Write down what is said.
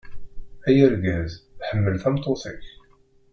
Ay argaz, ḥemmel tameṭṭut-ik.